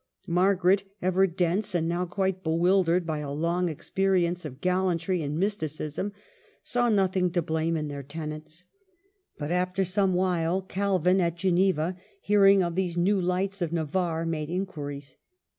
Margaret, ever dense, and now quite bewildered by a long experience of gallantry and mysticism, saw nothing to blame in their tenets. But after some while Calvin, at Geneva, hearing of these new lights of Na varre, made inquiries.